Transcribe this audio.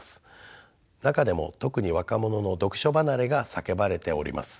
中でも特に若者の読書離れが叫ばれております。